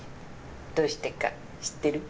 どうしてか知ってる？